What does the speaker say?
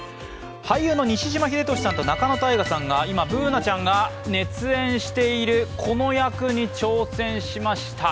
俳優の西島秀俊さんと仲野太賀さんが今、Ｂｏｏｎａちゃんが熱演しているこの役に挑戦しました。